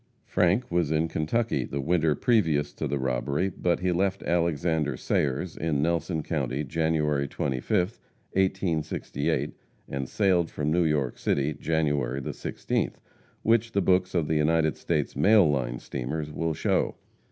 Frank was in Kentucky the winter previous to the robbery, but he left Alexander Sayer's, in Nelson county, January 25th, 1868, and sailed from New York City, January the 16th, which the books of the United States mail line of steamers will show.